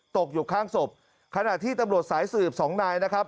ตกอยู่ข้างศพขณะที่ตำรวจสายสืบสองนายนะครับ